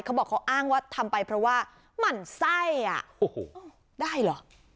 เขาบอกเขาอ้างว่าทำไปเพราะว่าหมั่นไส้อ่ะโอ้โหได้เหรอ